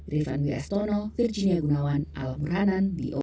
rifan wiestono virginia gunawan al murhanan b o